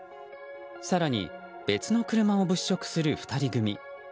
更に別の車を物色する２人組。